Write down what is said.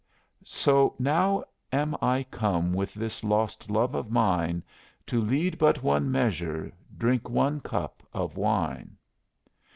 'So now am I come with this lost love of mine To lead but one measure, drink one cup of wine.'